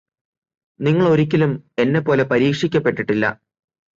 നിങ്ങളൊരിക്കലും എന്നെപ്പോലെ പരീക്ഷിക്കപ്പെട്ടിട്ടില്ല